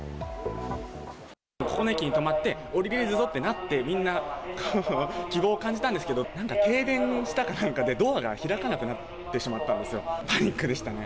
ここの駅に止まって、降りれるぞってなって、みんな希望を感じたんですけど、なんか停電したかなんかで、ドアが開かなくなってしまったんですよ。